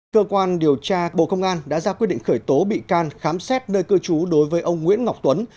cơ quan điều tra bộ công an đã ra quyết định khởi tố bị can khám xét nơi cư trú đối với ông nguyễn ngọc tuấn